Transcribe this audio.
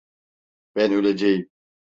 Ben öleceğim.